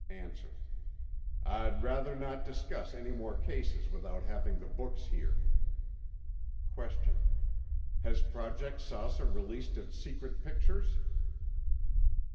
A. I'd rather not discuss any more cases without having the books here. Q. Has Project "Saucer" released its secret pictures?